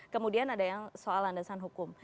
kemudian ada yang soal landasan hukum